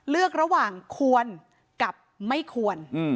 เลือกระหว่างควรกับไม่ควร